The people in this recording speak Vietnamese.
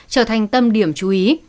trở thành tâm điểm chú ý